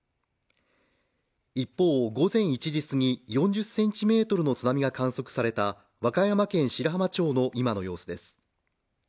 一方午前１時すぎに４０ｃｍの津波が観測された和歌山県白浜町の今の様子です。